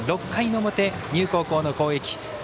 ６回の表、丹生高校の攻撃。